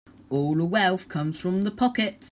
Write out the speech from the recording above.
All the wealth comes from the pockets.